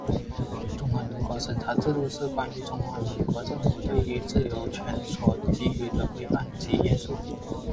中华民国审查制度是关于中华民国政府对于自由权所给予的规范及约束。